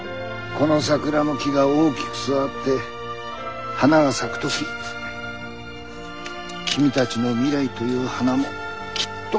この桜の木が大きく育って花が咲く時君たちの未来という花もきっと咲く。